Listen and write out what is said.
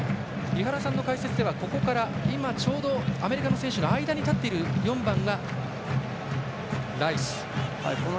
井原さんの解説ではちょうどアメリカの選手の間に立っていた４番がライス。